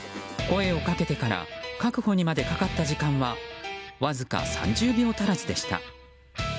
声をかけてから確保にまでかかった時間はわずか３０秒足らずでした。